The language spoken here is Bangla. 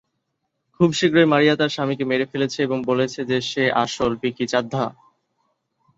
খুব শীঘ্রই, মারিয়া তার স্বামীকে মেরে ফেলেছে এবং বলেছে যে সে আসল ভিকি চাদ্ধা।